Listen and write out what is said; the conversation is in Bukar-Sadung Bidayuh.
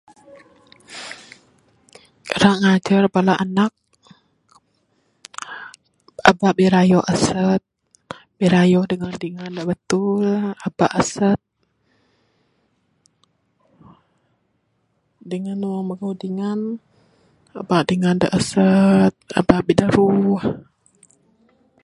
Rak ngajar bala anak, aba' birayo asat. Birayo dengan dingan da betul. Aba' asat dengan wang magau dingan, aba' dingan da' asat. Aba bidaruh.